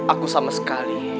aku sama sekali